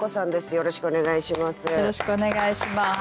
よろしくお願いします。